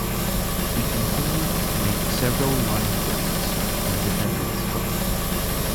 He continued to make several linebreaks and defended strong.